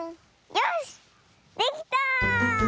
よしできた！